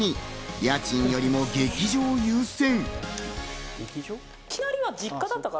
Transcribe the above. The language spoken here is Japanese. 家賃よりも劇場を優先。